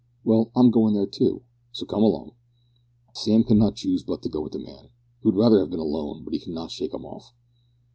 "Well, I'm going there too, so come along." Sam could not choose but go with the man. He would rather have been alone, but could not shake him off.